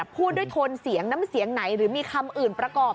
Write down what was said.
พูดด้วยโทนเสียงน้ำเสียงไหนหรือมีคำอื่นประกอบ